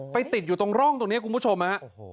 ติดอยู่ตรงร่องตรงนี้คุณผู้ชมฮะ